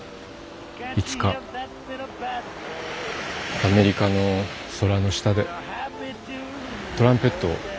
いつかアメリカの空の下でトランペットを。